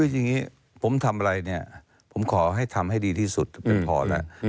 คือจริงผมทำอะไรผมขอให้ทำให้ดีที่สุดก็พอแล้ว